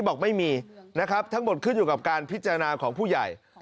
บอกไม่มีนะครับทั้งหมดขึ้นอยู่กับการพิจารณาของผู้ใหญ่